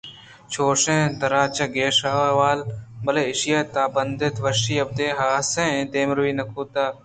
چوشیں درٛاج کشّیں احوال بلئے ایشی ءِ تہا بندات ءِ وشی ءَ ابید حاصیں دیمروی نہ بوت